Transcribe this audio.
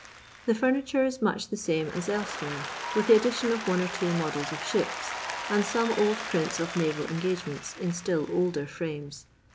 The furniture is much the same as elsewhere, with the addition of one or two models of ships, and some old prints of naral engagements in still older frames.